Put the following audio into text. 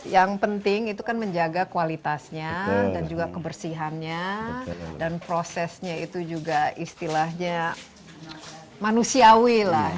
yang penting itu kan menjaga kualitasnya dan juga kebersihannya dan prosesnya itu juga istilahnya manusiawi lah